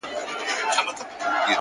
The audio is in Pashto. o ستا خيال وفكر او يو څو خـــبـــري؛